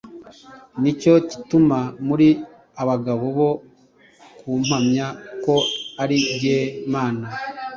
ni cyo gituma muri abagabo bo ku mpamya, ko ari jyewe Mana.